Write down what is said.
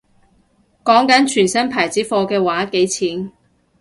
講緊全新牌子貨嘅話幾錢